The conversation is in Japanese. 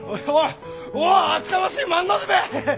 おう厚かましい万の字め！